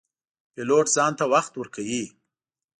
پیلوټ ځان ته وخت ورکوي.